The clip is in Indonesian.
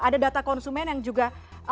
ada data konsumen yang juga